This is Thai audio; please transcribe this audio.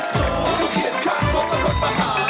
สวัสดีครับ